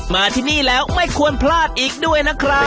มาที่นี่แล้วไม่ควรพลาดอีกด้วยนะครับ